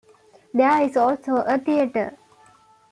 There is also a theater.